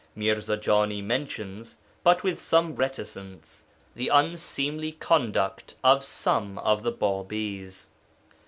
Mirza Jani mentions, but with some reticence, the unseemly conduct of some of the Bābīs.